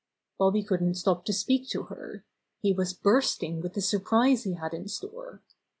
Bobby couldn't stop to speak to her. He was bursting with the surprise he had in store.